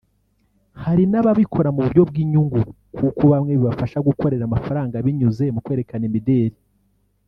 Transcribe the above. Hari n’ababikora mu buryo bw’inyungu kuko bamwe bibafasha gukorera amafaranga binyuze mu kwerekana imideli